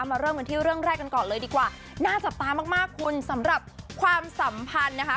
เริ่มกันที่เรื่องแรกกันก่อนเลยดีกว่าน่าจับตามากมากคุณสำหรับความสัมพันธ์นะคะ